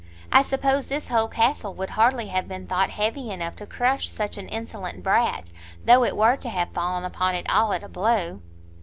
I suppose this whole castle would hardly have been thought heavy enough to crush such an insolent brat, though it were to have fallen upon it all at a blow!"